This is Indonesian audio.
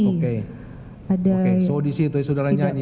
oke jadi di situ saudara nyanyi ya